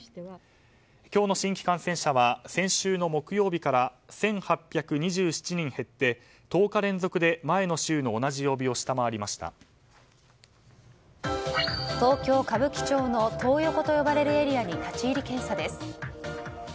今日の新規感染者は先週の木曜日から１８２７人減って１０日連続で東京・歌舞伎町のトー横と呼ばれるエリアに立ち入り検査です。